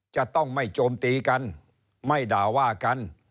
จะต้องไม่โจมตีกันไม่ด่าว่ากัน